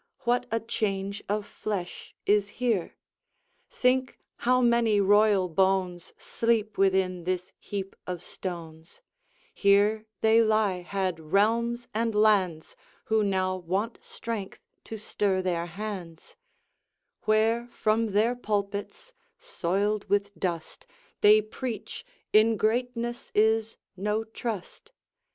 What a change of flesh is here! Think how many royal bones Sleep within this heap of stones: Here they lie had realms and lands, Who now want strength to stir their hands; Where from their pulpits, soiled with dust, They preach, "In greatness is no trust."